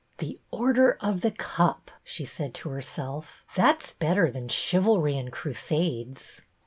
The Order of The Cup," she said to herself; "that 's better than Chivalry and Crusades."